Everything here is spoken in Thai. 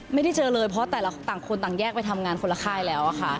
ไม่ได้เจอเลยเพราะแต่ละต่างคนต่างแยกไปทำงานคนละค่ายแล้วค่ะ